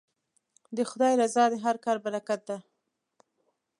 د خدای رضا د هر کار برکت دی.